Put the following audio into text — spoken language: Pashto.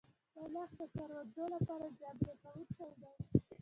ملخ د کروندو لپاره زیان رسوونکی دی